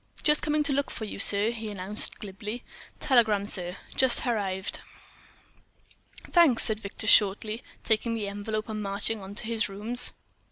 "Just coming to look for you, sir," he announced, glibly. "Telegram, sir—just harrived." "Thanks," said Victor, shortly, taking the envelope and marching on into his rooms.